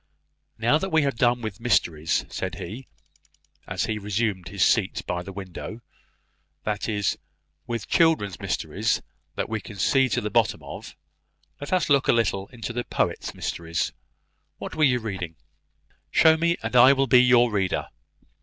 "Now that we have done with mysteries," said he, as he resumed his seat by the window, "that is, with children's mysteries that we can see to the bottom of, let us look a little into the poet's mysteries. What were you reading? Show me, and I will be your reader.